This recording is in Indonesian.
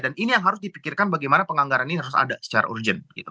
dan ini yang harus dipikirkan bagaimana penganggaran ini harus ada secara urgent